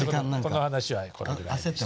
この話はこれぐらいにして。